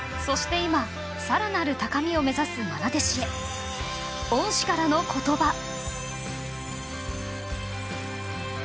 そして今さらなる高みを目指す愛弟子へ恩師からの言葉。